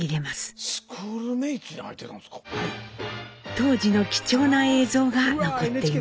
当時の貴重な映像が残っていました。